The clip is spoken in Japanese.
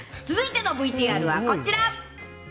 続いてのＶＴＲはこちら。